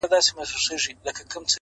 په گلونو کي د چا د خولې خندا ده;